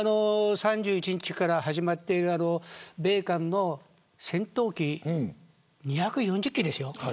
３１日から始まっている米韓の戦闘機２４０機ですよ。